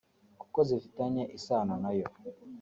kuko zifitanye isano na yo